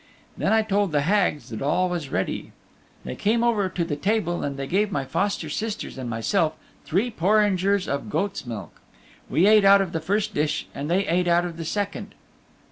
Then I told the Hags that all was ready. They came over to the table and they gave my foster sisters and myself three porringers of goat's milk. We ate out of the first dish and they ate out of the second.